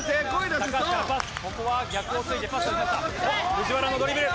藤原のドリブル。